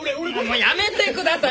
もうやめてください！